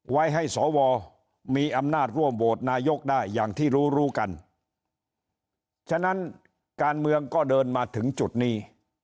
ไว้ให้สวมีอำนาจร่วมโหวตนายกได้อย่างที่รู้รู้กันฉะนั้นการเมืองก็เดินมาถึงจุดนี้